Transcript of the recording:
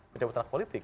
pencabut anak politik